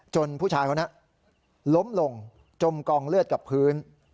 จนผู้ชายเขาน่ะล้มลงจมกองเลือดกับพื้น